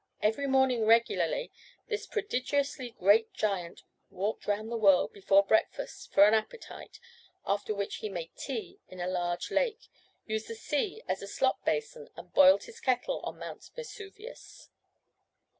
Every morning regularly this prodigiously great giant walked round the world before breakfast for an appetite, after which he made tea in a large lake, used the sea as a slop basin, and boiled his kettle on Mount Vesuvius.